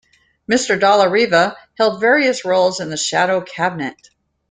Mr Dalla-Riva held various roles in the Shadow Cabinet.